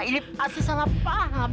ini asli salah paham